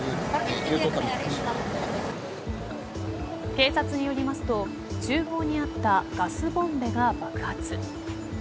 警察によりますと厨房にあったガスボンベが爆発。